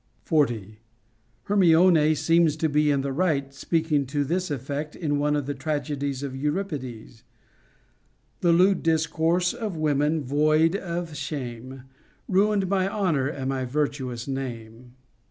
40. Hermione seems to be in the right, speaking to this effect in one of the tragedies of Euripides : The lewd discourse of women void of shame Ruined my honor and my virtuous name.